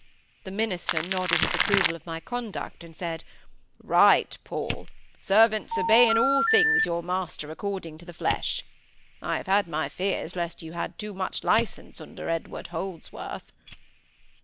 The minister nodded his approval of my conduct, and said,—"Right, Paul! 'Servants, obey in all things your master according to the flesh.' I have had my fears lest you had too much licence under Edward Holdsworth."